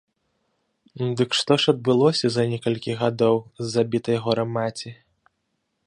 Дык што ж адбылося за некалькі гадоў з забітай горам маці?